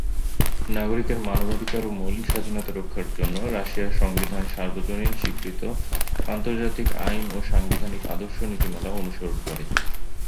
নাগরিকের মানবাধিকার ও মৌলিক স্বাধীনতা রক্ষার জন্য রাশিয়ার সংবিধান সার্বজনীন স্বীকৃত আন্তর্জাতিক আইন ও সাংবিধানিক আদর্শ ও নীতিমালা অনুসরণ করে।